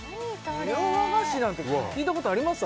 ネオ和菓子なんて聞いたことあります？